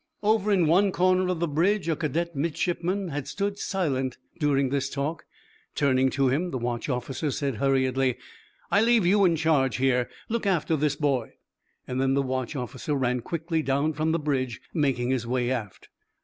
Over in one corner of the bridge a cadet midshipman had stood silent during this talk. Turning to him, the watch officer said hurriedly: "I leave you in charge here. Look after this boy." Then the watch officer ran quickly down from the bridge, making his way aft.